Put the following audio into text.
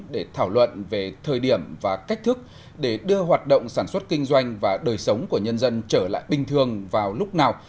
để thảo luận về thời điểm và cách thức để đưa hoạt động sản xuất kinh doanh và đời sống của nhân dân trở lại bình thường vào lúc nào